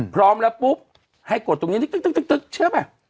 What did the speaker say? พร้อมแล้วปุ๊บให้กดตรงนี้ตึ๊กเชื่อป่ะ